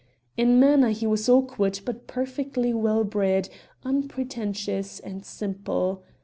In manner he was awkward but perfectly well bred, unpretentious and simple.